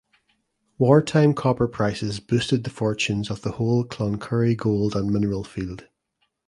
Wartime copper prices boosted the fortunes of the whole Cloncurry Gold and Mineral Field.